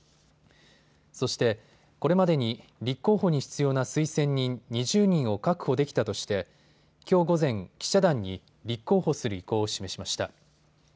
そしてこれまでに立候補に必要な推薦人２０人を確保できたとしてきょう午前、記者団に立候補する意向を示しました。